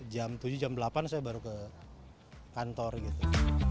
jam tujuh jam delapan saya baru ke kantor gitu